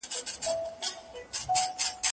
سترګي به ړندې د جهالت د جادوګرو کړي